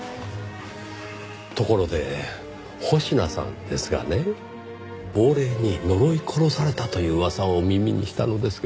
ところで保科さんですがね亡霊に呪い殺されたという噂を耳にしたのですが。